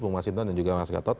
bung mas hinton dan juga mas gatot